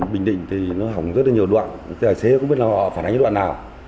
bình định thì nó hỏng rất là nhiều đoạn giải xế cũng biết là họ phản ánh đoạn nào